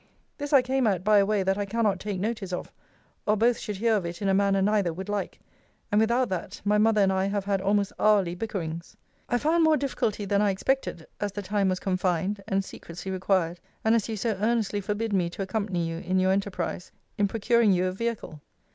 This I came at by a way that I cannot take notice of, or both should hear of it in a manner neither would like: and, without that, my mother and I have had almost hourly bickerings. I found more difficulty than I expected (as the time was confined, and secrecy required, and as you so earnestly forbid me to accompany you in your enterprise) in procuring you a vehicle.